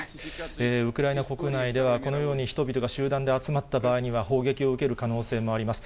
ウクライナ国内では、このように人々が集団で集まった場合には、砲撃を受ける可能性もあります。